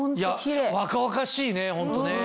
若々しいねホントね。